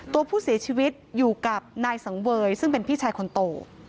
ตัวผู้เสียชีวิตอยู่กับนายสังเวยซึ่งเป็นพี่ชายคนโต